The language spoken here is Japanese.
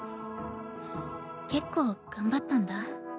結構頑張ったんだ。